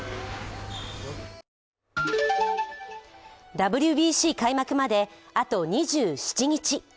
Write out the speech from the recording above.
ＷＢＣ開幕まで、あと２７日。